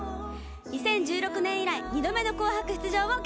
２０１６年以来２度目の『紅白』出場を期待してます。